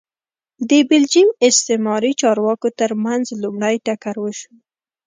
د بلجیم استعماري چارواکو ترمنځ لومړی ټکر وشو